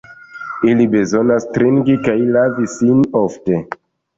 Ili bezonas trinki kaj lavi sin ofte.